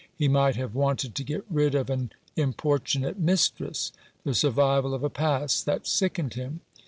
He might have wanted to get rid of an importunate mistress — the survival of a past that sickened him.